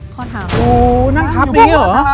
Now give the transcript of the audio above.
ข้อเท้า